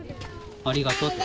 ありがとうって。